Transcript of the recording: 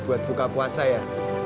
buat buka puasa ya